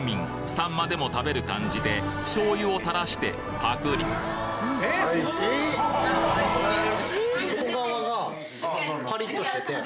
サンマでも食べる感じで醤油を垂らしてパクリほんとに。